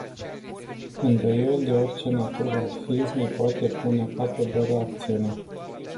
Îndoielii, de orice natură ar fi, îi poate pune capăt doar acțiunea.